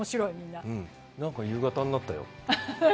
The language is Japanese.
なんか夕方になったよ。